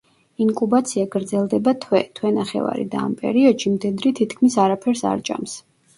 ინკუბაცია გრძელდება თვე, თვე ნახევარი და ამ პერიოდში მდედრი თითქმის არაფერს არ ჭამს.